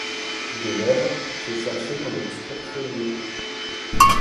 Des lèvres se cherchaient dans l'obscure feuillée ;